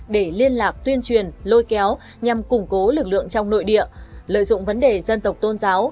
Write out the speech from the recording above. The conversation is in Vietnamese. để liên lạc tuyên truyền lôi kéo nhằm củng cố lực lượng trong nội địa lợi dụng vấn đề dân tộc tôn giáo